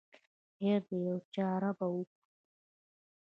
خیر دی یوه چاره به وکړو.